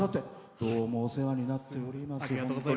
どうもお世話になっております。